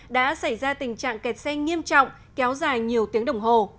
đã xảy ra tình trạng kẹt xe nghiêm trọng kéo dài nhiều tiếng đồng hồ